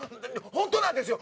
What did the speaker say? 本当なんですよ